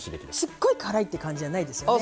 すっごい辛いって感じじゃないですよね。